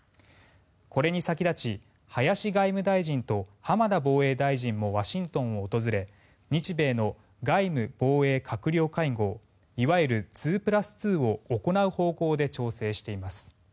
これに先立ち、林外務大臣と浜田防衛大臣もワシントンを訪れ日米の外務・防衛閣僚会合いわゆる２プラス２を行う方向で調整しています。